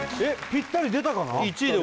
ぴったり出たかな？